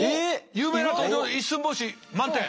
有名な登場一寸法師満点。